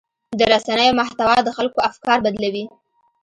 د رسنیو محتوا د خلکو افکار بدلوي.